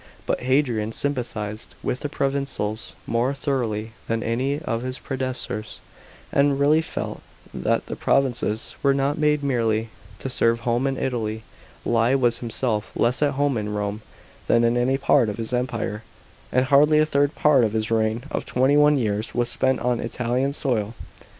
But Hadrian sympathised with the provincials more thoroughly than any of his predecessors, and really felt that the provinces were not made merely to serve Home and Italy, lie was himself less at home in Eome than in any part of his Empire, and hardly a third part of his reign of twenty one years was spent on Italian soil.